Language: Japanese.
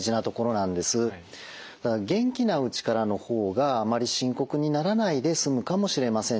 ただ元気なうちからの方があまり深刻にならないで済むかもしれませんね。